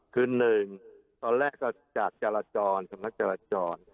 คือ๑ตอนแรกก็จากจารจรก็รับจารจร